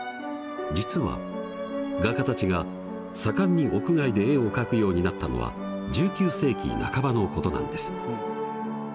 実は画家たちが盛んに屋外で絵を描くようになったのは１９世紀半ばのことなんです。